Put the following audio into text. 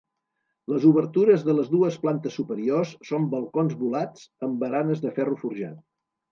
Les obertures de les dues plantes superiors són balcons volats amb baranes de ferro forjat.